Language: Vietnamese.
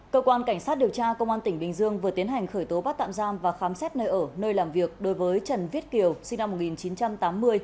cơ quan cảnh sát điều tra công an tỉnh bình dương vừa tiến hành khởi tố bắt tạm giam và khám xét nơi ở nơi làm việc đối với trần viết kiều sinh năm một nghìn chín trăm tám mươi